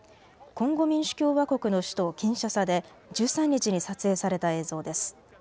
コンゴ民主共和国の首都キンシャサで１３日に撮影された映像です。